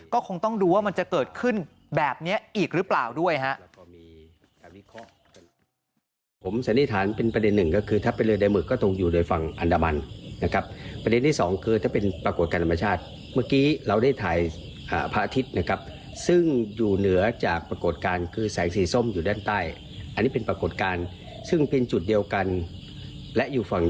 ก็คงต้องดูว่ามันจะเกิดขึ้นแบบนี้อีกหรือเปล่าด้วยฮะ